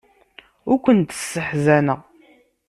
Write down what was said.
Ur kent-sseḥzaneɣ.